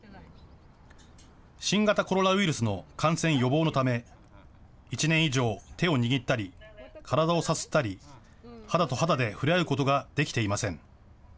新型コロナウイルスの感染予防のため、１年以上、手を握ったり、体をさすったり、肌と肌で触れ合うことができていません。